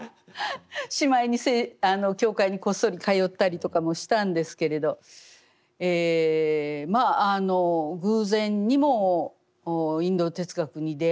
しまいに教会にこっそり通ったりとかもしたんですけれどまあ偶然にもインド哲学に出会い